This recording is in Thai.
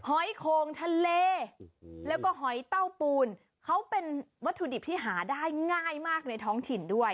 หอยโคงทะเลแล้วก็หอยเต้าปูนเขาเป็นวัตถุดิบที่หาได้ง่ายมากในท้องถิ่นด้วย